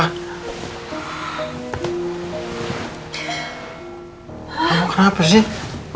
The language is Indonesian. kamu kenapa sih